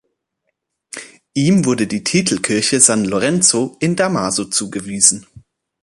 Ihm wurde die Titelkirche San Lorenzo in Damaso zugewiesen.